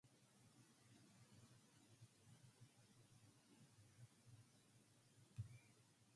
The delegation proceeded to issue a final ultimatum to the dictator.